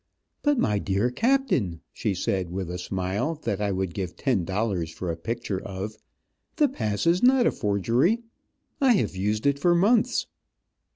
"But, my dear captain," she said, with a smile that I would give ten dollars for a picture of, "The pass is not a forgery. I have used it for months."